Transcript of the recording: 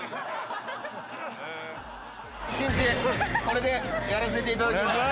これでやらせていただきます。